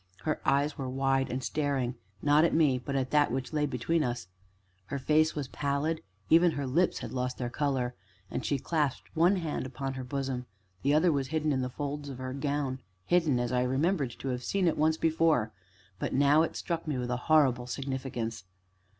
Her eyes were wide and staring not at me, but at that which lay between us her face was pallid; even her lips had lost their color, and she clasped one hand upon her bosom the other was hidden in the folds of her gown hidden as I remembered to have seen it once before, but now it struck me with a horrible significance.